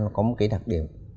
nó có một cái đặc điểm